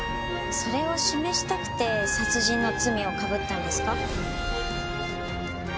それを示したくて殺人の罪を被ったんですか？